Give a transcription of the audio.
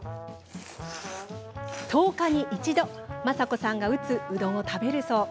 １０日に一度、昌子さんが打つうどんを食べるそう。